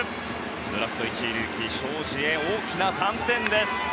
ドラフト１位ルーキー、荘司へ大きな３点です。